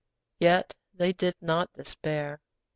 Yet they did not despair.